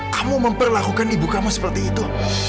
kamu memperlakukan ibu kamu seperti itu